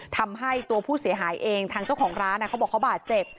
ทำให้ตัวผู้เสียหายเองทางเจ้าของร้านเขาบอกเขาบาดเจ็บ